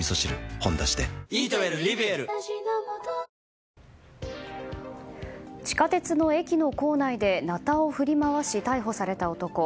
「ほんだし」で地下鉄の駅の構内でなたを振り回し逮捕された男。